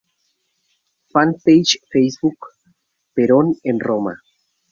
Fan Page Facebook Perón en Roma